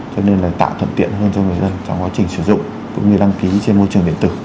cho nên là tạo thuận tiện hơn cho người dân trong quá trình sử dụng cũng như đăng ký trên môi trường điện tử